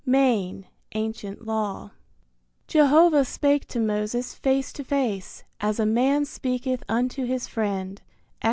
Maine, Ancient Law. Jehovah spake to Moses face to face, as a man speaketh unto his friend Ex.